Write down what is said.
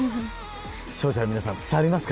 視聴者の皆さん伝わりますかね？